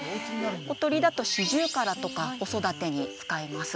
小鳥だとシジュウカラとか子育てに使います